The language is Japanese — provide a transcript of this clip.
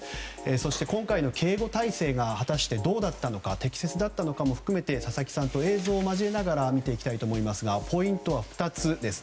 そして今回の警護態勢が果たしてどうだったのか適切だったのかも含めて佐々木さんと映像を交えながら見ていきたいと思いますがポイントは２つです。